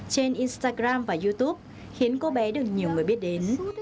trên instagram và youtube khiến cô bé được nhiều người biết đến